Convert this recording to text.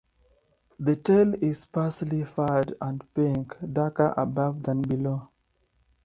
The tail is sparsely furred and pink, darker above than below.